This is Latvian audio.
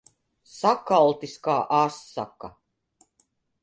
Sakaltis kā asaka.